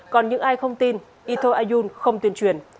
còn những ai không tin etho ayun không tuyên truyền